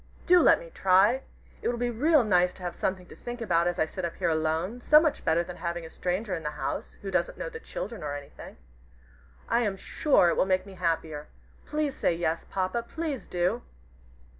Do let me try! It will be real nice to have something to think about as I sit up here alone, so much better than having a stranger in the house who doesn't know the children or anything. I am sure it will make me happier. Please say 'Yes,' Papa, please do!"